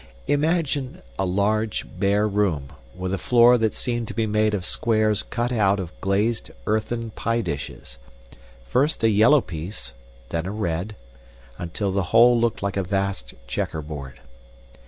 Imagine a large, bare room, with a floor that seemed to be made of squares cut out of glazed earthen pie dishes, first a yellow piece, then a red, until the whole looked like a vast checkerboard.